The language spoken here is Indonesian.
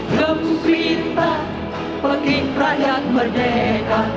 gembira bagi rakyat merdeka